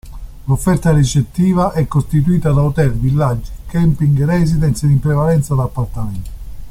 L'offerta ricettiva è costituita da hotel, villaggi, camping, residence, ed in prevalenza da appartamenti.